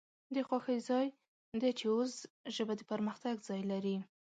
د خوښۍ ځای د چې اوس ژبه د پرمختګ ځای لري